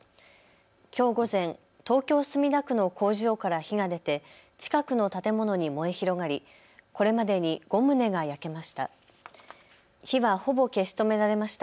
きょう午前、東京墨田区の工場から火が出て近くの建物に燃え広がり、これまでに５棟が焼けました。